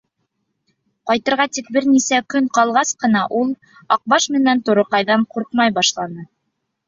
Ҡайтырға тик бер нисә көн ҡалғас ҡына ул Аҡбаш менән Турыҡайҙан ҡурҡмай башланы.